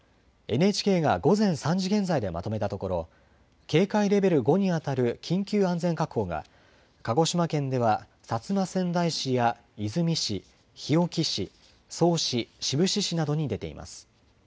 ＮＨＫが午前３時現在でまとめたところ、警戒レベル５にあたる緊急安全確保が鹿児島県では薩摩川内市や出水市、日置市、曽於市、志布志市などに出ています。